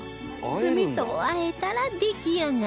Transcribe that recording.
酢味噌を和えたら出来上がり